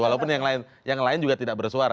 walaupun yang lain juga tidak bersuara